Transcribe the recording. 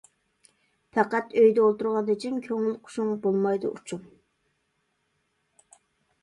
پەقەت ئۆيدە ئولتۇرغاندا جىم، كۆڭۈل قۇشۇڭ بولمايدۇ ئۇچۇم.